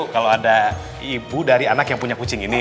kalau ada ibu dari anak yang punya kucing ini